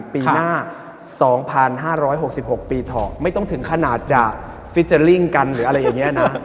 ปีหน้า๒๕๖๖ปีถอกไม่ต้องถึงขนาดจะฟิเจอร์ลิ่งกันหรืออะไรอย่างนี้นะ